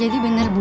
jadi benar bu